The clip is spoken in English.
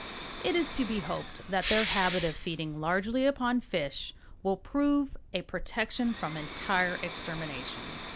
It is to be hoped that their habit of feeding largely upon fish will prove a protection from entire extermination.